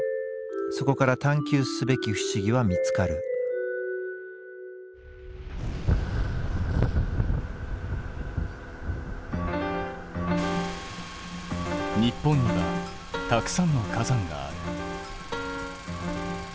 そこから探究すべき不思議は見つかる日本にはたくさんの火山がある。